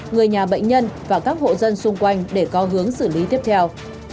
người nhà bệnh nhân và các hộ dân xung quanh để có hướng xử lý tiếp theo